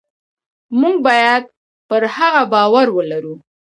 موږ باید پر هغه باور ولرو.